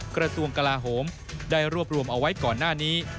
กระทรวงกลาโหมได้รวบรวมเอาไว้ก่อนหน้านี้